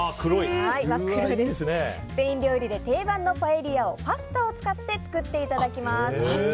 スペイン料理で定番のパエリアをパスタを使って作っていただきます。